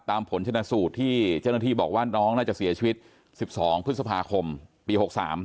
ผลชนะสูตรที่เจ้าหน้าที่บอกว่าน้องน่าจะเสียชีวิต๑๒พฤษภาคมปี๖๓